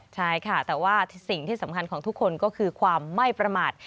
ใช่ค่ะแต่ว่าสิ่งที่สำคัญของทุกคนก็คือความไม่ประมาท